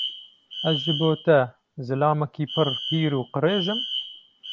Ez ji bo te zilamekî pir pîr û qirêj im?